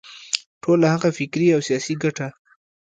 ټوله هغه فکري او سیاسي ګټه.